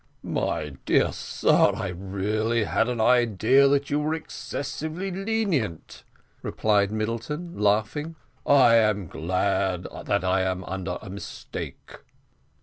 "My dear sir, I really had an idea that you were excessively lenient," replied Middleton, laughing; "I am glad that I am under a mistake."